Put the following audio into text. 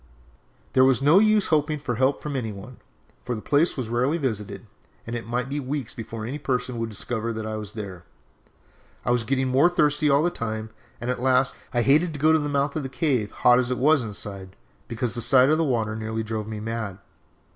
"There was no use hoping for help from any one, for the place was rarely visited, and it might be weeks before any person would discover that I was there. I was getting more thirsty all the time, and, at last, I hated to go to the mouth of the cave, hot as it was inside, because the sight of the water nearly drove me mad.